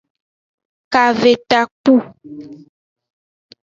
Kave takpu.